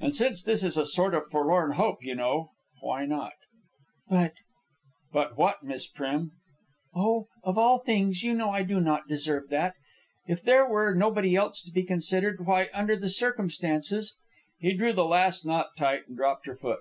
And since this is a sort of a forlorn hope, you know, why not?" "But ..." "But what, Miss Prim?" "Oh! Of all things, you know I do not deserve that! If there were nobody else to be considered, why, under the circumstances ..." He drew the last knot tight and dropped her foot.